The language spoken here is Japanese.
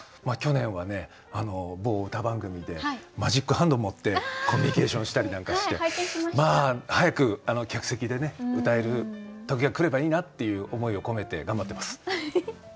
まあ去年は某歌番組でマジックハンド持ってコミュニケーションしたりなんかしてまあ早く客席で歌える時が来ればいいなっていう思いを込めて頑張ってます。